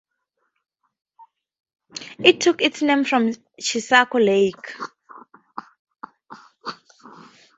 It took its name from Chisago Lake.